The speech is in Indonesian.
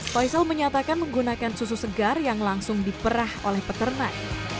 faisal menyatakan menggunakan susu segar yang langsung diperah oleh peternak